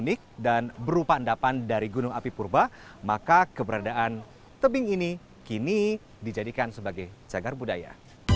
unik dan berupa endapan dari gunung api purba maka keberadaan tebing ini kini dijadikan sebagai cagar budaya